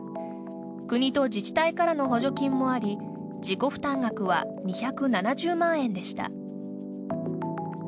国と自治体からの補助金もあり自己負担額は２７０万円でした。